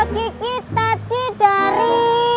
kiki tadi dari